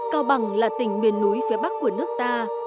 cao bằng là tỉnh miền núi phía bắc của nước ta